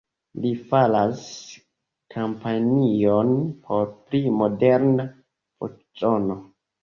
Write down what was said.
Li faras kampanjon por pli moderna voĉdono.